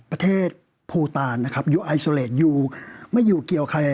ประเทศโพลตานอยู่ไอโซเลตไม่อยู่เกี่ยวใคร